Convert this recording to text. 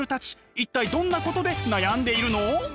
一体どんなことで悩んでいるの？